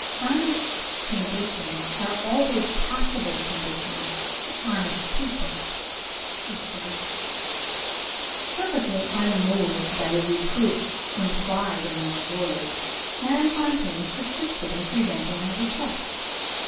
"Honest conditions are always possible conditions to honest people," she said. Perfectly unmoved by the reproof implied in those words, Madame Fontaine persisted in pressing her request.